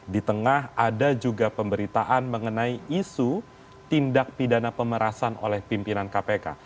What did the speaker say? di tengah ada juga pemberitaan mengenai isu tindak pidana pemerasan oleh pimpinan kpk